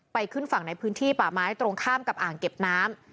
ขึ้นฝั่งในพื้นที่ป่าไม้ตรงข้ามกับอ่างเก็บน้ำ